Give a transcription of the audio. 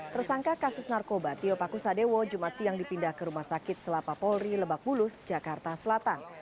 tersangka kasus narkoba tio pakusadewo jumat siang dipindah ke rumah sakit selapa polri lebak bulus jakarta selatan